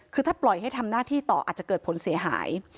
คือถ้าปล่อยให้ทำหน้าที่ต่ออาจจะเกิดผลเสียหาย